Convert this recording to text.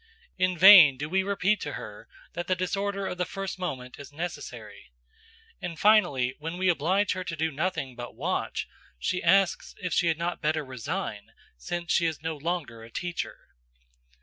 In vain do we repeat to her that the disorder of the first moment is necessary. And finally, when we oblige her to do nothing but watch, she asks if she had not better resign, since she is no longer a teacher.